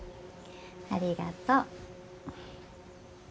ありがとう。